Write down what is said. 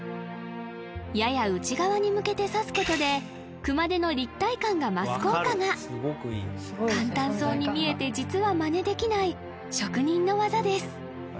やや内側に向けて刺すことで熊手の立体感が増す効果が簡単そうに見えて実はマネできない職人の技です